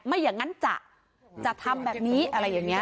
ไม่อย่างนั้นจะทำแบบนี้อะไรอย่างนี้